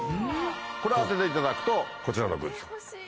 これ当てていただくとこちらのグッズ。